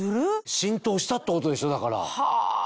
浸透したってことでしょだから。